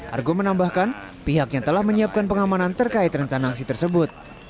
argo menambahkan pihaknya telah menyiapkan pengamanan terkait rencana aksi tersebut